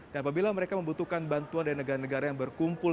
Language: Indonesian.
dan apabila mereka membutuhkan bantuan dari negara negara yang berkumpul